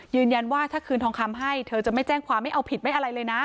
ยืนยันว่าถ้าคืนทองคำให้เธอจะไม่แจ้งความไม่เอาผิดไม่อะไรเลยนะ